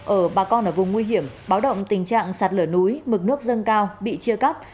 ở bà con ở vùng nguy hiểm báo động tình trạng sạt lở núi mực nước dâng cao bị chia cắt